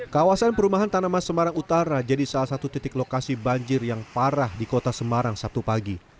kawasan perumahan tanaman semarang utara jadi salah satu titik lokasi banjir yang parah di kota semarang sabtu pagi